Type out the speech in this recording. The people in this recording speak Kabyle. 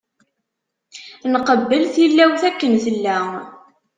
Nqebbel tilawt akken tella.